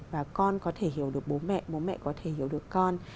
và con có thể hiểu được bố mẹ bố mẹ có thể hiểu được con